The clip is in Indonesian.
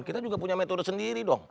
kita juga punya metode sendiri dong